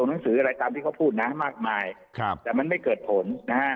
หนังสืออะไรตามที่เขาพูดนะมากมายครับแต่มันไม่เกิดผลนะฮะ